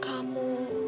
dia tetap mama kamu